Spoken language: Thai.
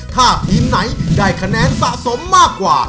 ถ้าทีมไหนได้คะแนนสะสมมากกว่า